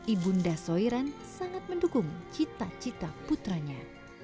ibunda soiran sangat mendukung cita cita putranya